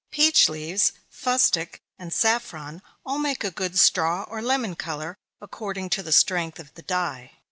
Peach leaves, fustic, and saffron, all make a good straw or lemon color, according to the strength of the dye.